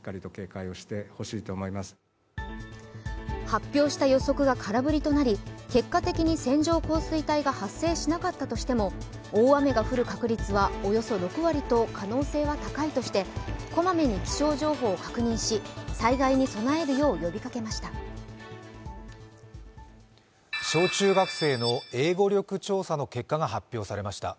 発表した予測が空振りとなり結果的に線状降水帯が発生しなかったとしても大雨が降る確率はおよそ６割と可能性は高いとして小まめに気象情報を確認し、災害に備えるよう呼びかけました。